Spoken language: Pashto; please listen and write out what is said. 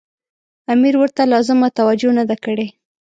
امیر ورته لازمه توجه نه ده کړې.